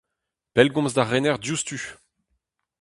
Pellgomz d'ar rener diouzhtu !